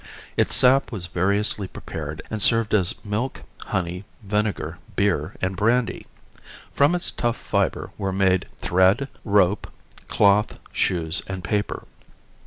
Its sap was variously prepared and served as milk, honey, vinegar, beer and brandy. From its tough fiber were made thread, rope, cloth, shoes and paper.